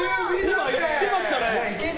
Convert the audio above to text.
今、いけてましたね。